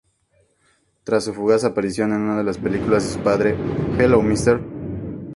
Tras su fugaz aparición en una de las películas de su padre, "Hola, Mr.